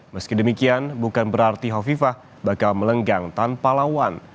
meski demikian bukan berarti hovifah bakal melenggang tanpa lawan